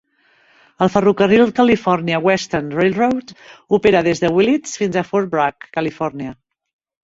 El ferrocarril California Western Railroad opera des de Willits fins a Fort Bragg, Califòrnia.